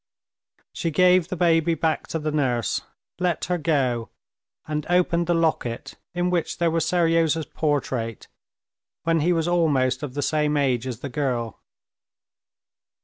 She gave the baby back to the nurse, let her go, and opened the locket in which there was Seryozha's portrait when he was almost of the same age as the girl.